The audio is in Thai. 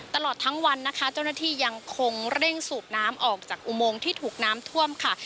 ตลอดทั้งวันนะคะเจ้าหน้าที่ยังคงเร่งสูบน้ำออกจากอุโมงที่ถูกน้ำท่วมค่ะ